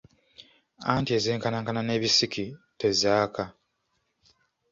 Anti ezenkanankana n’ebisiki tezaaka.